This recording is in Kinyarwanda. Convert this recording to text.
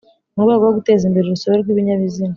Mu rwego rwo guteza imbere urusobe rw’ibinyabuzima